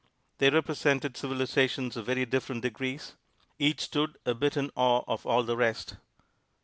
They represented civilizations of very different degrees. Each stood a bit in awe of all the rest.